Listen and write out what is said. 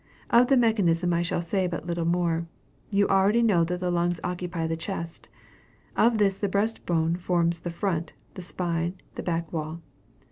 Of the mechanism I shall say but little more. You already know that the lungs occupy the chest. Of this, the breast bone forms the front, the spine, the back wall.